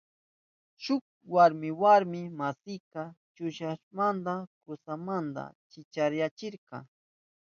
Shuk warmi warmi masinta kunashpan kusanmanta chikanyachirka.